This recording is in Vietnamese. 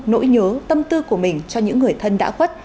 nỗi nhớ tâm tư của mình cho những người thân đã khuất